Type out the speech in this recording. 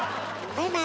バイバイ。